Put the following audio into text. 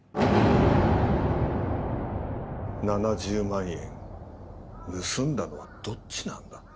７０万円盗んだのはどっちなんだ？